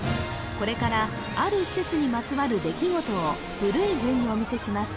これからある施設にまつわる出来事を古い順にお見せします